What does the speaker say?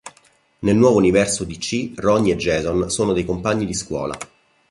Nel nuovo universo Dc, Ronnie e Jason sono dei compagni di scuola.